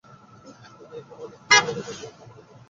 তবে এখনো অনেক কিছু করার বাকি আছে বলেও মন্তব্য করেন তিনি।